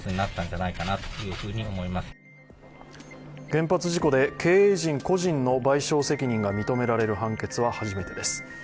原発事故で経営陣個人の賠償責任が認められる判決は初めてです。